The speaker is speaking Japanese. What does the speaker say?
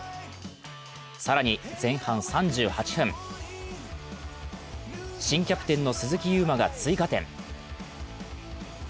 更に前半３８分、新キャプテンの鈴木優磨が追加点。